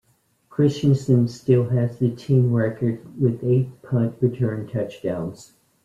Christiansen still has the team record with eight punt return touchdowns.